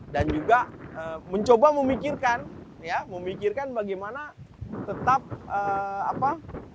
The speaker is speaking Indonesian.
dan juga mencoba memikirkan ya memikirkan bagaimana tetap apa